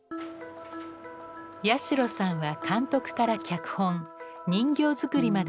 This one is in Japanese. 八代さんは監督から脚本人形作りまで行っています。